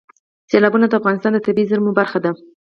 سیلابونه د افغانستان د طبیعي زیرمو برخه ده.